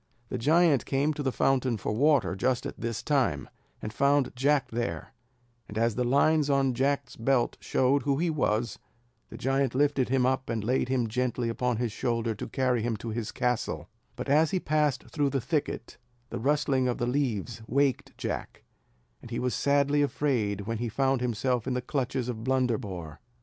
The giant came to the fountain for water just at this time, and found Jack there; and as the lines on Jack's belt showed who he was, the giant lifted him up and laid him gently upon his shoulder to carry him to his castle: but as he passed through the thicket, the rustling of the leaves waked Jack; and he was sadly afraid when he found himself in the clutches of Blunderbore.